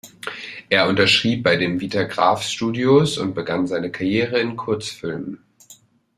Er unterschrieb bei den Vitagraph Studios und begann seine Karriere in Kurzfilmen.